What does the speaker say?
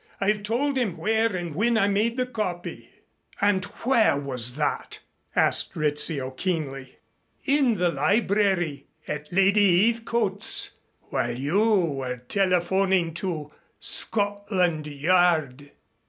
I have told him where and when I made the copy." "And where was that?" asked Rizzio keenly. "In the library at Lady Heathcote's while you were telephoning to Scotland Yard."